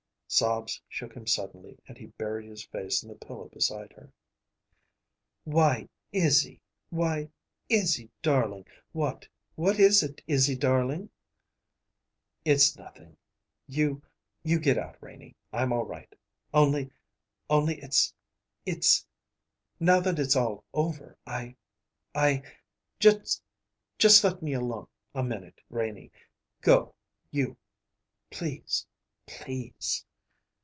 Sobs shook him suddenly and he buried his face in the pillow beside her. "Why, Izzy! Why, Izzy darling, what what is it, Izzy darling?" "It's nothing. You you get out, Renie. I'm all right; only only it's it's Now that it's all over, I I Just let me alone a minute, Renie. Go you please please!"